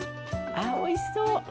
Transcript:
おいしそう。